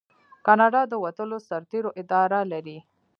کاناډا د وتلو سرتیرو اداره لري.